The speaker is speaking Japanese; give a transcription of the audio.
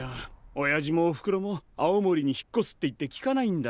おやじもおふくろも青森に引っ越すって言ってきかないんだ。